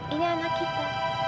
ini anak kita